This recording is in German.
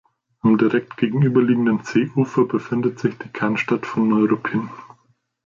Am direkt gegenüber liegenden Seeufer befindet sich die Kernstadt von Neuruppin.